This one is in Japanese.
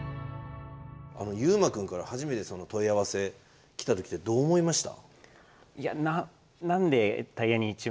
ゆうまくんから初めて問い合わせ来た時ってどう思いました？